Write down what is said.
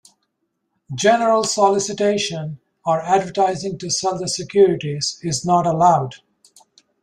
General solicitation or advertising to sell the securities is not allowed.